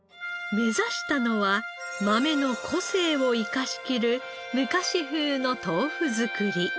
目指したのは豆の個性を生かしきる昔風の豆腐作り。